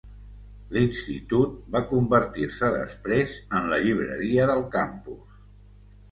L'institut va convertir-se després en la Llibreria del Campus.